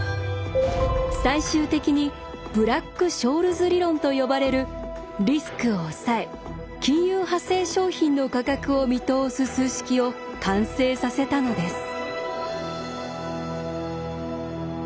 最終的にブラック・ショールズ理論と呼ばれるリスクをおさえ金融派生商品の価格を見通す数式を完成させたのです。